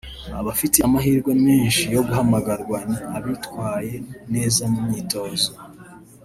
Abafite amahirwe menshi yo guhamagarwa ni abitwaye neza mu myitozo